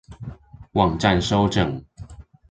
網站收整